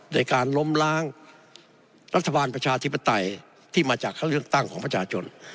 ในการล้มล้างรัฐบาลประชาธิปไตยที่มาจากเขาเลือกตั้งของประชาชน